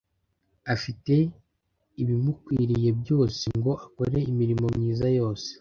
afite ibimukwiriye byose, ngo akore imirimo myiza yose.”